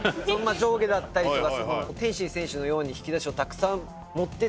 上下だったりとか天心選手のように引き出しをたくさん持ってって。